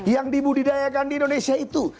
yang dibudidayakan di indonesia itu